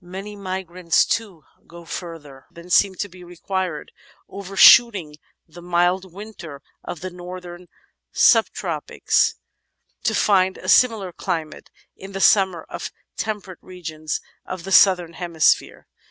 Many migrants, too, go further than seems to be required, overshooting the mild winter of the northern subtropics to fijid a similar climate in the summer of temperate regions of the Southern Hemisphere.